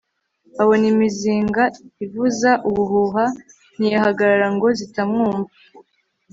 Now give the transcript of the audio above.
abona imizinga ivuza ubuhuha. ntiyahagarara ngo zitamwumva